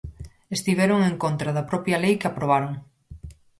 Estiveron en contra da propia lei que aprobaron.